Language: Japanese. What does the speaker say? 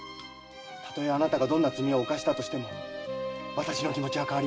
たとえあなたがどんな罪を犯したとしても私の気持ちはかわりません。